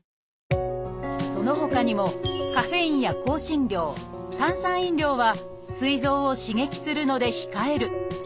そのほかにもカフェインや香辛料炭酸飲料はすい臓を刺激するので控える。